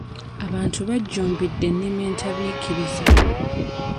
Abantu bajjumbidde ennima entabiikirize.